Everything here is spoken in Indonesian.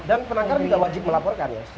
dan penangkaran juga wajib melaporkan ya